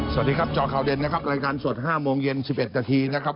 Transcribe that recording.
สวัสดีครับจคดนะครับรายการสด๕โมงเย็น๑๑นาทีนะครับ